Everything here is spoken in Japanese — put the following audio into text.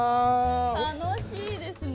楽しいですね。